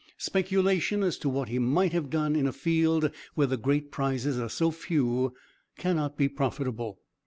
Speculation as to what he might have done in a field where the great prizes are so few, cannot be profitable.